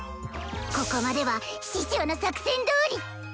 ここまでは師匠の作戦どおり！